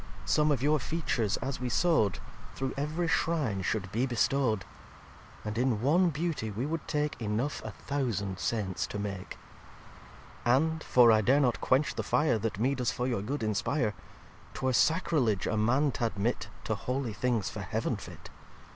Some of your Features, as we sow'd, Through ev'ry Shrine should be bestow'd. And in one Beauty we would take Enough a thousand Saints to make. xviii "And (for I dare not quench the Fire That me does for your good inspire) 'Twere Sacriledge a Man t'admit To holy things, for Heaven fit.